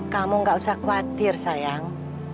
kamu gak usah khawatir sayang